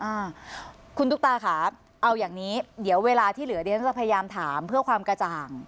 อ่าคุณตุ๊กตาค่ะเอาอย่างนี้เดี๋ยวเวลาที่เหลือเดี๋ยวฉันจะพยายามถามเพื่อความกระจ่าง